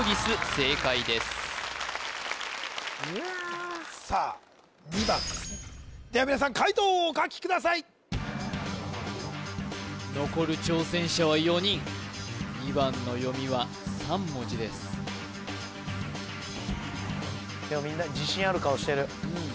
正解ですさあ２番ですでは皆さん解答をお書きください残る挑戦者は４人２番の読みは３文字ですでもみんな自信ある顔してる